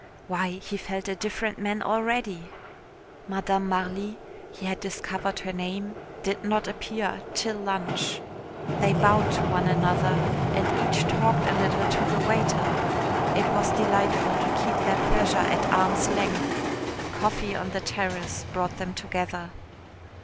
Why, he felt a different man already. Madame Marly he had discovered her name did not appear till lunch. They bowed to one another, and each talked a little to the waiter. It was delightful to keep their pleasure at arm's length. Coffee on the terrace brought them together.